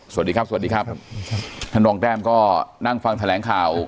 สวัสดีครับสวัสดีครับท่านรองแต้มก็นั่งฟังแถลงข่าว